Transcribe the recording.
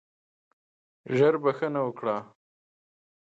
ژر بخښنه وکړه.